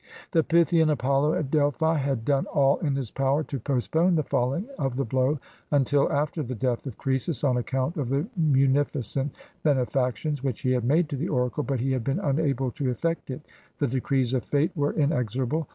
The Pythian Apollo at Delphi had done 327 PERSIA all in his power to postpone the falling of the blow until after the death of Croesus, on account of the munificent benefactions which he had made to the oracle; but he had been unable to effect it: the decrees of Fate were inexorable.